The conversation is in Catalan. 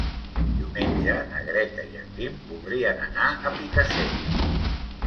Diumenge na Greta i en Guim voldrien anar a Picassent.